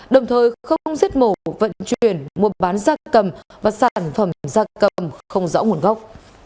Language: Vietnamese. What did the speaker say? đồng thời không giết mổ vận chuyển mua bán da cầm và sản phẩm da cầm không rõ nguồn gốc